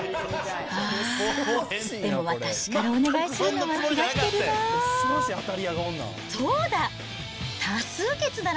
あー、でも、私からお願いするのは気が引けるな。